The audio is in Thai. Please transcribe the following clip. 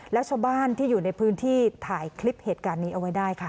แล้วชาวบ้านที่อยู่ในพื้นที่ถ่ายคลิปเหตุการณ์นี้เอาไว้ได้ค่ะ